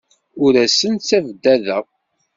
Ur asen-ttabdadeɣ.